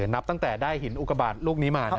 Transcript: นับตั้งแต่ได้หินอุกบาทลูกนี้มา